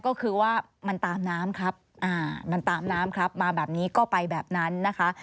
ก็คือว่ามันตามน้ำครับมาแบบนี้ก็ไปแบบนั้นนะคะ